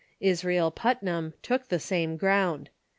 Israel Putnam took the same ground.